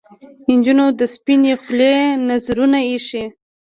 نجونو د سپنې خولې نذرونه ایښي